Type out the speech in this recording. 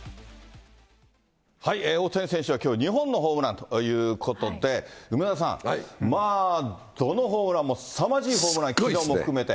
大谷選手はきょう２本のホームランということで、梅沢さん、まあ、どのホームランもすさまじいホームラン、きのうも含めて。